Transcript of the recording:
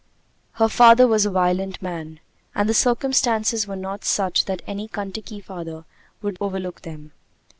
Her father was a violent man, and the circumstances were not such that any Kentucky father would overlook them.